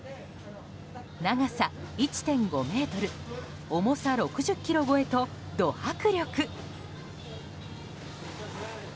長さ１．５ｍ重さ６０ｋｇ超えとド迫力！